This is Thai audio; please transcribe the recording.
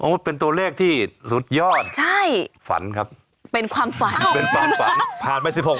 หน่าคิดอย่างนี้